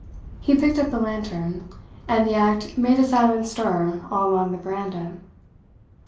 He picked up the lantern, and the act made a silent stir all along the veranda.